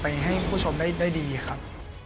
ให้ผู้ชมได้ดีครับ